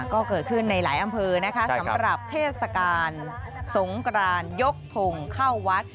ก็เกิดขึ้นในหลายอำเภอนะคะสำหรับเทศกาลสงกรานยกทงเข้าวัด